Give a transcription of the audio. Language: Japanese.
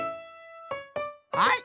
はい！